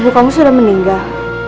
ibu kamu sudah meninggal